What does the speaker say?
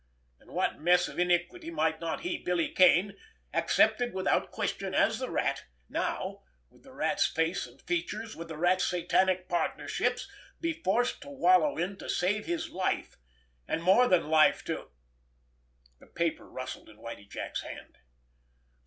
And what mess of iniquity might not he, Billy Kane, accepted without question as the Rat now, with the Rat's face and features, with the Rat's satanic partnerships, be forced to wallow in to save his life, and, more than life, to—— The paper rustled in Whitie Jack's hand.